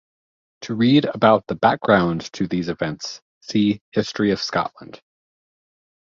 To read about the background to these events, see History of Scotland.